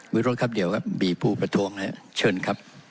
วิโรธครับเดี๋ยวครับมีผู้ประท้วงนะครับเชิญครับ